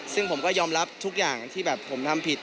ซึ่งผมก็ยอมรับทุกอย่างที่แบบผมทำผิด